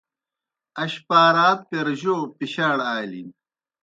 اش پار آد پیر جو پِشاڑ آلِن؟